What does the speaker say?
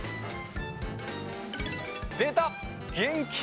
出た！